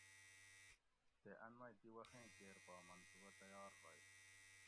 تے ان مئ دی وخیں کیر پا منصوبہ تیار ہوگ